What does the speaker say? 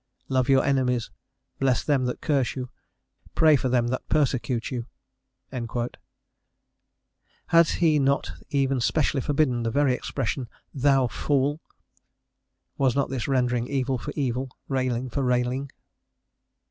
Love your enemies, bless them that curse you, pray for them that persecute you." Had he not even specially forbidden the very expression, "Thou fool!" Was not this rendering evil for evil, railing for railing?